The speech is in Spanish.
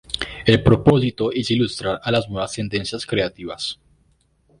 El propósito es ilustrar las nuevas tendencias creativas.